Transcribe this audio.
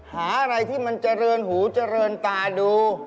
หาอะไรที่มันเจริญหูเจริญตาดู